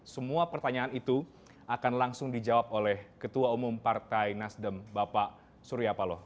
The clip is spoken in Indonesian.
semua pertanyaan itu akan langsung dijawab oleh ketua umum partai nasdem bapak surya paloh